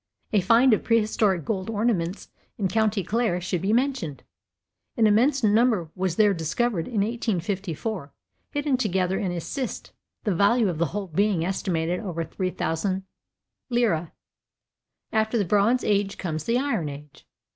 A find of prehistoric gold ornaments in county Clare should be mentioned. An immense number was there discovered in 1854 hidden together in a cist, the value of the whole being estimated at over £3,000. After the bronze age comes the iron age.